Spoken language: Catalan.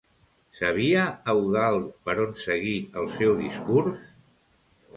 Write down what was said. Sabia Eudald per on seguir el seu discurs?